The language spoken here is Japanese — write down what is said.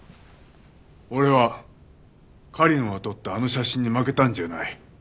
俺は狩野が撮ったあの写真に負けたんじゃない。